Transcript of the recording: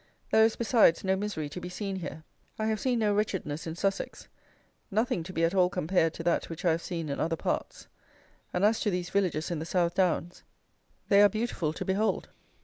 There is, besides, no misery to be seen here. I have seen no wretchedness in Sussex; nothing to be at all compared to that which I have seen in other parts; and as to these villages in the South Downs, they are beautiful to behold.